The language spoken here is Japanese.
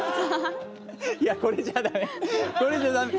いやこれじゃダメ！